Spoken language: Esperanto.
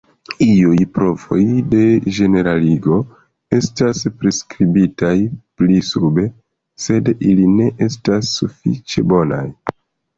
Iuj provoj de ĝeneraligo estas priskribitaj pli sube, sed ili ne estas sufiĉe bonaj.